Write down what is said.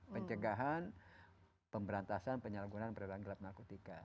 pencegahan pemberantasan penyalahgunaan peredaran gelap narkotika